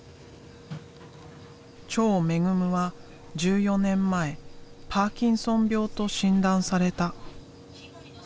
長恵は１４年前パーキンソン病と診断された。